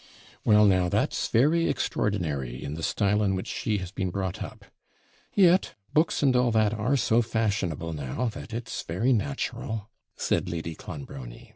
'Well, now, that's very extraordinary, in the style in which she has been brought up; yet books and all that are so fashionable now, that it's very natural,' said Lady Clonbrony.